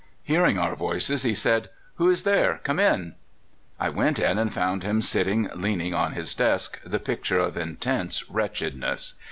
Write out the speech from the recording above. Hearing our voices, he said: *'Who is there? Come in." I went in, and found him sitting leaning on his desk, the picture of intense wretchedness.